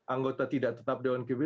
anggota tidak tetap dewan kib